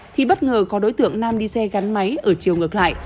thì bất ngờ có đối tượng nam đi xe gắn máy ở chiều ngược lại